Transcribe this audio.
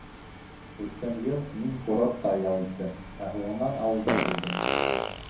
Үткән йыл мин курортта ял иттем, ә һуңынан ауылда булдым.